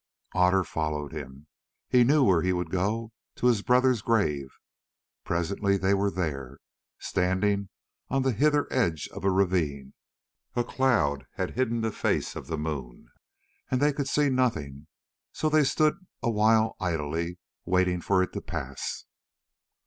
Otter followed him. He knew where he would go—to his brother's grave. Presently they were there, standing on the hither edge of a ravine. A cloud had hidden the face of the moon, and they could see nothing, so they stood awhile idly waiting for it to pass.